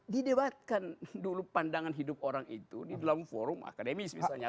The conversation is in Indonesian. didebatkan dulu pandangan hidup orang itu di dalam forum akademis misalnya